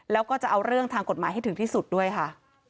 แล้วก็จะเอาเรื่องทางกฎหมายให้ถึงที่สุดด้วยค่ะ